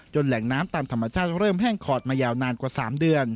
แหล่งน้ำตามธรรมชาติเริ่มแห้งขอดมายาวนานกว่า๓เดือน